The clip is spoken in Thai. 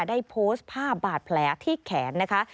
ได้โพสต์ภาพบาดแผลที่แขนนะคะ